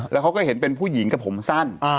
แล้วเขาก็เห็นเป็นผู้หญิงกับผมสั้น